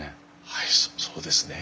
はいそうですね。